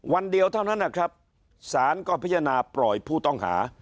วันเดียวเท่านั้นนะครับศาลก็พิจารณาปล่อยผู้ต้องหา